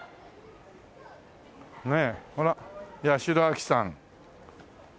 ねえほら八代亜紀さん。